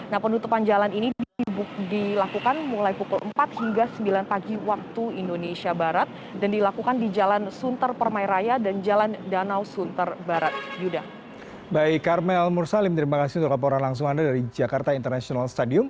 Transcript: nah penutupan jalan ini dilakukan mulai pukul empat hingga sembilan pagi waktu indonesia barat dan dilakukan di jalan sunter permairaya dan jalan danau sunter barat